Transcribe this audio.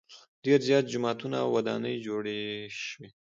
ډېر زیات جوماتونه او ودانۍ جوړې شوې.